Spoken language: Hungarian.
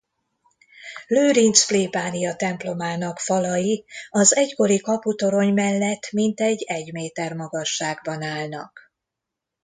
Lőrinc plébániatemplomának falai az egykori kaputorony mellett mintegy egy méter magasságban állnak.